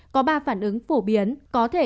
có ba phản ứng phổ biến có thể